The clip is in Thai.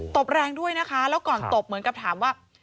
บแรงด้วยนะคะแล้วก่อนตบเหมือนกับถามว่า